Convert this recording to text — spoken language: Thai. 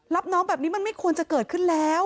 รับน้องแบบนี้มันไม่ควรจะเกิดขึ้นแล้ว